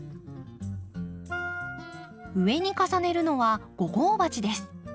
上に重ねるのは５号鉢です。